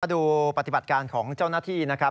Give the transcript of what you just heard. ดูปฏิบัติการของเจ้าหน้าที่นะครับ